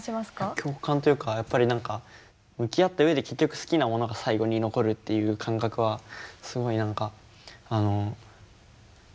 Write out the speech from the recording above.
共感というかやっぱり何か向き合った上で結局好きなものが最後に残るっていう感覚はすごい何か何て言うんでしょう